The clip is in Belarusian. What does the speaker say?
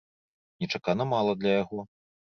Нечакана мала для яго.